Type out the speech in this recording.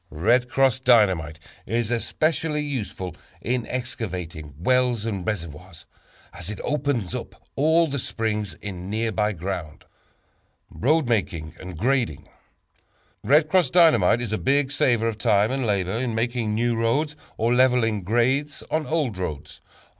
"Red Cross" Dynamite is especially useful in excavating wells and reservoirs, as it opens up all the springs in nearby ground. Road Making and Grading. "Red Cross" Dynamite is a big saver of time and labor in making new roads, or leveling grades on old roads.